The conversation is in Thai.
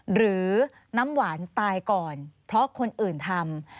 หรือน้ำหวานตายก่อนเพราะคนอื่นทำ